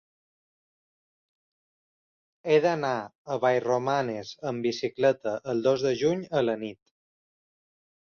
He d'anar a Vallromanes amb bicicleta el dos de juny a la nit.